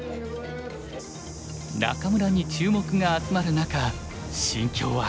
仲邑に注目が集まる中心境は。